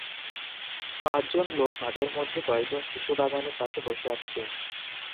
পাঁচ জন লোক তাদের মধ্যে কয়েকজন শিশু বাগানের পাশে বসে আছে